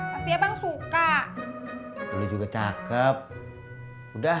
pasti abang suka dulu juga cakep udah